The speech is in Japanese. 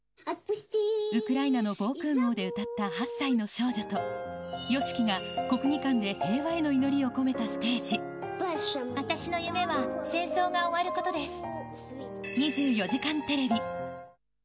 ウクライナの防空ごうで歌った８歳の少女と、ＹＯＳＨＩＫＩが、国技館で平和への祈りを込め私の夢は、戦争が終わること２４時間テレビ。